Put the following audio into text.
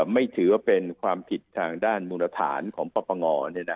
ไม่ถือว่าเป็นความผิดทางด้านมูลฐานของปปง